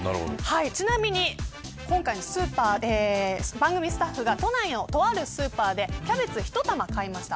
ちなみに、今回番組スタッフが都内のとあるスーパーでキャベツ１玉買いました。